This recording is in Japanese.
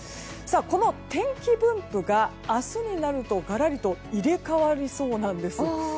この天気分布が明日になるとガラリと入れ替わりそうなんです。